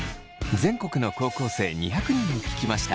全国の高校生２００人に聞きました。